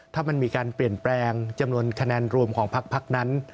ถ้ามันมีการเปลี่ยนแปลงจำนวนคะแนนรวมของพักนั้น